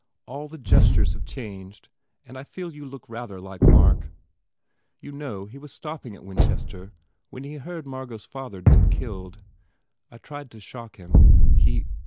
All the gestures have changed and I feel You look rather like Mark. You know he was stopping at Winchester when he heard Margot s father d been killed. I tried to shock him. He.